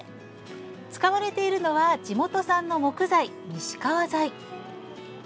使われているのは、地元産の木材西川材。